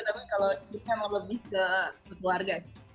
tapi kalau ini memang lebih ke keluarga